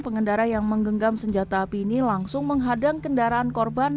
pengendara yang menggenggam senjata api ini langsung menghadang kendaraan korban